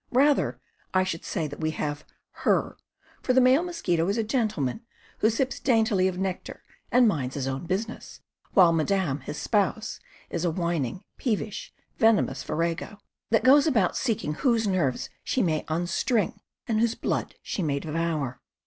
Rather I should say that we have her; for the male mosquito is a gentleman, who sips daintily of nectar and minds his own business, while madame his spouse is a whining, peevish, veno mous virago, that goes about seeking whose nerves she may unstring and whose blood she may devour.